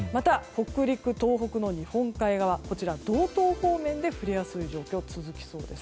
北陸、東北の日本海側や道東方面で降りやすい状況が続きそうです。